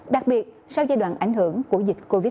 đặc biệt sau giai đoạn ảnh hưởng của dịch covid một mươi chín